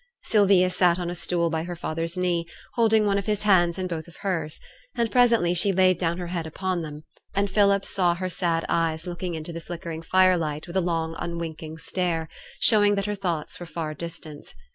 Sylvia sat on a stool by her father's knee, holding one of his hands in both of hers; and presently she laid down her head upon them, and Philip saw her sad eyes looking into the flickering fire light with long unwinking stare, showing that her thoughts were far distant.